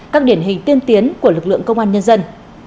các điển hình tiên tiến của lực lượng công an nhân dân